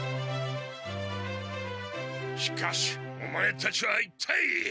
しかしオマエたちは一体。